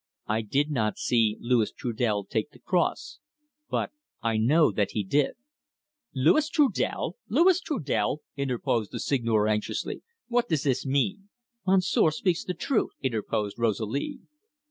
"I did not see Louis Trudel take the cross, but I know that he did." "Louis Trudel! Louis Trudel!" interposed the Seigneur anxiously. "What does this mean?" "Monsieur speaks the truth," interposed Rosalie.